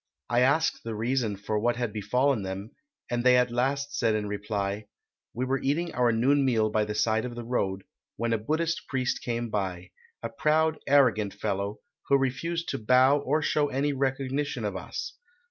I asked the reason for what had befallen them, and they at last said in reply, 'We were eating our noon meal by the side of the road, when a Buddhist priest came by, a proud, arrogant fellow, who refused to bow or show any recognition of us.